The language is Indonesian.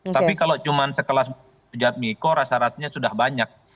tapi kalau cuma sekelas sujatmiko rasa rasanya sudah banyak